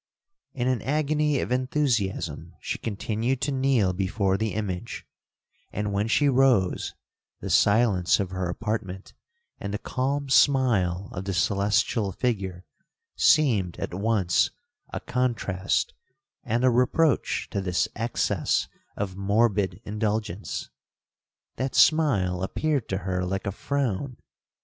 'In an agony of enthusiasm she continued to kneel before the image; and when she rose, the silence of her apartment, and the calm smile of the celestial figure, seemed at once a contrast and a reproach to this excess of morbid indulgence. That smile appeared to her like a frown.